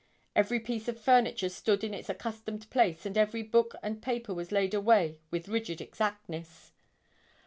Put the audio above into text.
Every piece of furniture stood in its accustomed place and every book and paper was laid away with rigid exactness.